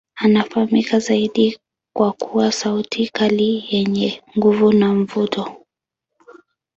Anafahamika zaidi kwa kuwa sauti kali yenye nguvu na mvuto.